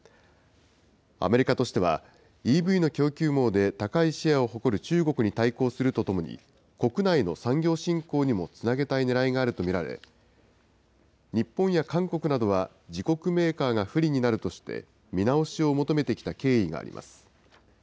アメリカとしては、ＥＶの供給網で高いシェアを誇る中国に対抗するとともに、国内の産業振興にもつなげたいねらいがあると見られ、日本や韓国などは、自国メーカーが不利になるとして、見直しを求めてきた経緯があります。